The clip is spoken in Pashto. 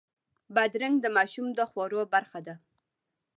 بادرنګ د ماشوم د خوړو برخه ده.